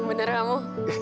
ya bener kamu